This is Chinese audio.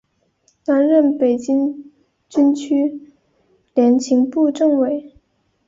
担任北京军区联勤部政委。